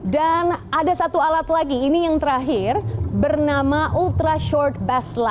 dan ada satu alat lagi ini yang terakhir bernama ultra short bass line atau usbl